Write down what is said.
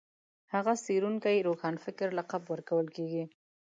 هغه څېړونکي روښانفکر لقب ورکول کېږي